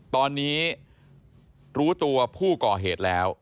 ตอนนี้รู้ตัวผู้ก่อเหตุแล้ว